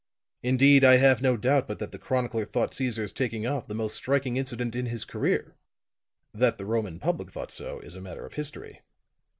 Indeed, I have no doubt but that the chronicler thought Caesar's taking off the most striking incident in his career; that the Roman public thought so is a matter of history.